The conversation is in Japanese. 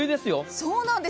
そうなんです。